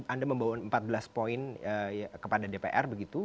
anda membawa empat belas poin kepada dpr begitu